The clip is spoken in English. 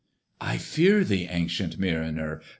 "I fear thee, ancient Mariner!"